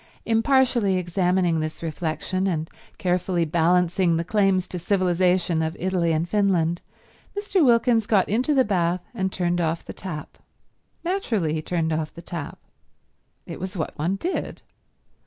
Impartially examining this reflection, and carefully balancing the claims to civilization of Italy and Finland, Mr. Wilkins got into the bath and turned off the tap. Naturally he turned off the tap. It was what one did.